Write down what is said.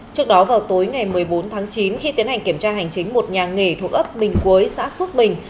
trước đó vào tối ngày một mươi bốn tháng chín khi tiến hành kiểm tra hành chính một nhà nghề thuộc ấp bình cuối xã phước bình